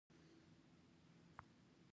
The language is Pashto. دیني مدرسې د زده کړو مرکزونه دي.